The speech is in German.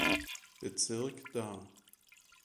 Bezirk dar.